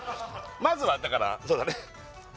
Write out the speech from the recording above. まずはだからそうだね